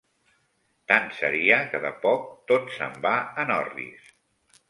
Tant seria que de poc tot se'n va en orris